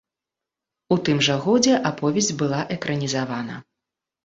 У тым жа годзе аповесць была экранізавана.